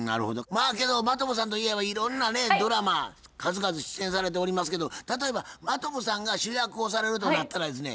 まあけど真飛さんといえばいろんなねドラマ数々出演されておりますけど例えば真飛さんが主役をされるとなったらですね